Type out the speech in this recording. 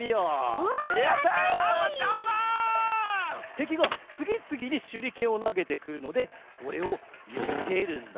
てきがつぎつぎにしゅりけんをなげてくるのでそれをよけるんだ。